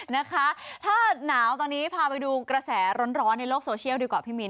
นะคะถ้าหนาวตอนนี้พาไปดูกระแสร้อนในโลกโซเชียลดีกว่าพี่มิ้น